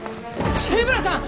志村さん！